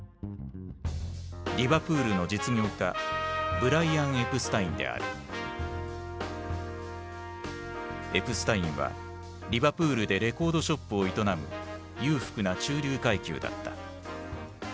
リバプールの実業家エプスタインはリバプールでレコードショップを営む裕福な中流階級だった。